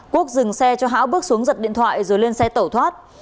quốc dừng xe cho hãng bước xuống giật điện thoại rồi lên xe tẩu thoát